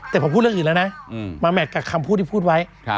แต่ผมพูดเรื่องอื่นแล้วนะมาแม็กซกับคำพูดที่พูดไว้